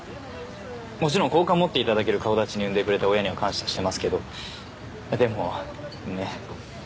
もちろん好感持っていただける顔立ちに産んでくれた親には感謝してますけどでもねえ